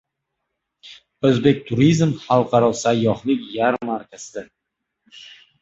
“O‘zbekturizm” xalqaro sayyohlik yarmarkasida